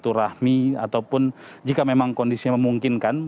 rahmi ataupun jika memang kondisinya memungkinkan